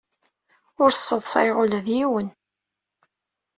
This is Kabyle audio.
Ur sseḍsayeɣ ula d yiwen.